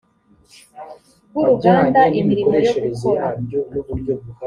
bw uruganda imirimo yo gukora